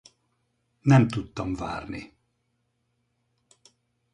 Nem tudtam várni.